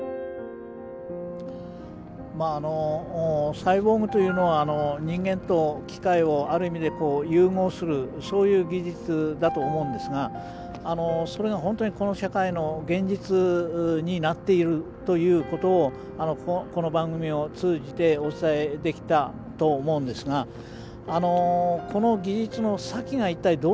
サイボーグというのは人間と機械をある意味で融合するそういう技術だと思うんですがそれが本当にこの社会の現実になっているということをこの番組を通じてお伝えできたと思うんですがこの技術の先が一体どうなるんだろう。